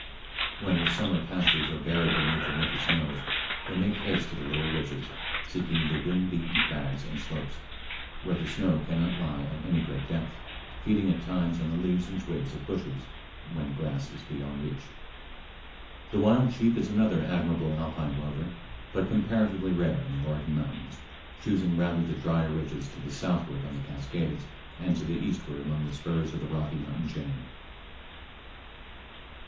When their summer pastures are buried beneath the winter snows, they make haste to the lower ridges, seeking the wind beaten crags and slopes where the snow cannot lie at any great depth, feeding at times on the leaves and twigs of bushes when grass is beyond reach. The wild sheep is another admirable alpine rover, but comparatively rare in the Oregon mountains, choosing rather the drier ridges to the southward on the Cascades and to the eastward among the spurs of the Rocky Mountain chain.